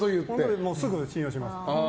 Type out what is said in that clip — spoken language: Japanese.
すぐ信用します。